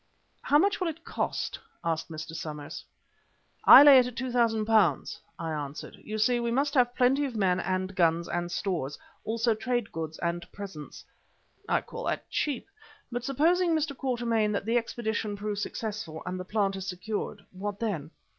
"How much will it cost?" asked Mr. Somers. "I lay it at £2,000," I answered. "You see, we must have plenty of men and guns and stores, also trade goods and presents." "I call that cheap. But supposing, Mr. Quatermain, that the expedition proves successful and the plant is secured, what then?"